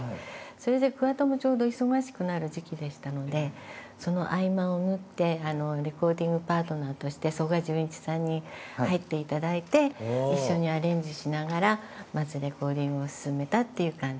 それで桑田もちょうど忙しくなる時期でしたのでその合間を縫ってレコーディングパートナーとして曽我淳一さんに入っていただいて一緒にアレンジしながらまずレコーディングを進めたっていう感じなんです。